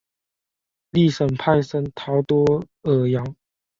利什派森陶多尔扬。